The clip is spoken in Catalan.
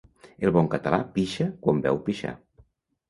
El bon català pixa quan veu pixar.